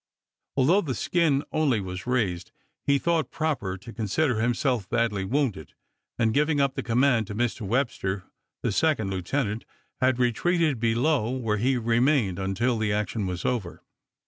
Although the skin only was razed, he thought proper to consider himself badly wounded; and giving up the command to Mr Webster, the second lieutenant, had retreated below, where he remained until the action was over.